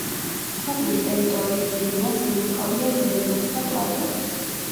ქვეყნის ტერიტორიის დიდი ნაწილი უკავია ზეგნებს და პლატოებს.